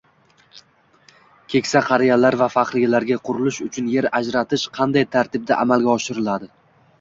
Keksa qariyalar va faxriylarga qurilish uchun yer ajratish qanday tartibda amalga oshiriladi?